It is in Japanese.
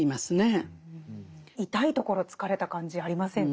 痛いところつかれた感じありませんか？